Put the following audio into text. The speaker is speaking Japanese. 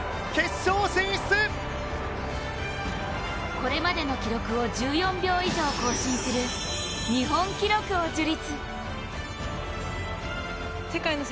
これまでの記録を１４秒以上更新する日本記録を樹立。